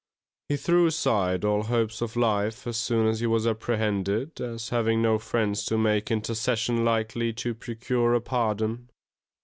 He threw aside all hopes of life as soon as he was apprehended, as having no friends to make intercession likely to procure a pardon.